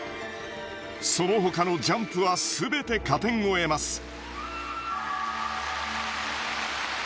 そのほかのジャンプは全て加点を得ます。